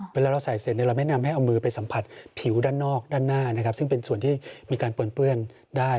เวลาเราใส่เสร็จเราแนะนำให้เอามือไปสัมผัสผิวด้านนอกด้านหน้านะครับซึ่งเป็นส่วนที่มีการปนเปื้อนได้